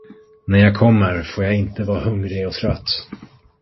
När jag kommer, får jag inte vara hungrig och trött.